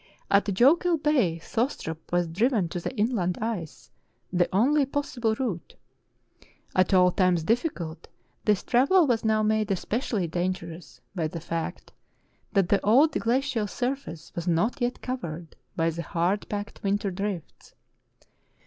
At Jokel Bay Thostrup was driven to the inland ice, the only possible route. At all times difficult, this travel was now made especially dan gerous by the fact that the old glacial surface was not yet covered by the hard packed winter drifts.